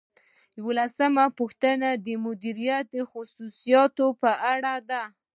اوولسمه پوښتنه د مدیریت د خصوصیاتو په اړه ده.